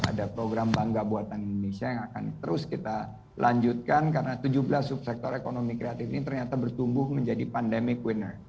ada program bangga buatan indonesia yang akan terus kita lanjutkan karena tujuh belas subsektor ekonomi kreatif ini ternyata bertumbuh menjadi pandemic winner